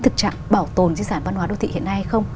thực trạng bảo tồn di sản văn hóa đô thị hiện nay hay không